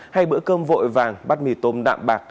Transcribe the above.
hay bữa cơm vội vàng bắt mì tôm đạm bạc